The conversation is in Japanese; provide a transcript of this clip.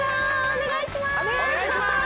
お願いします。